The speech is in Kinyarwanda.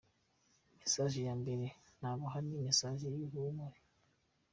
“Message ya mbere nabaha, ni message y’ihumure.